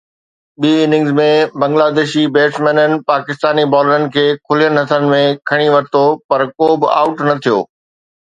ٻي اننگز ۾ بنگلاديشي بيٽسمينن پاڪستاني بالرن کي کليل هٿن ۾ کڻي ورتو، پر ڪو به آئوٽ نه ٿيو.